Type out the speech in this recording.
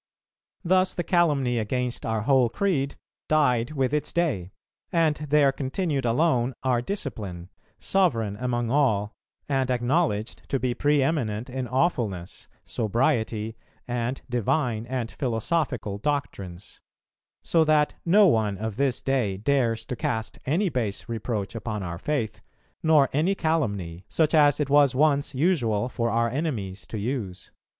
Thus the calumny against our whole creed died with its day, and there continued alone our Discipline, sovereign among all, and acknowledged to be pre eminent in awfulness, sobriety, and divine and philosophical doctrines; so that no one of this day dares to cast any base reproach upon our faith, nor any calumny, such as it was once usual for our enemies to use."